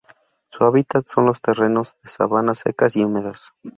Su hábitat son los terrenos de sabanas secas y húmedas.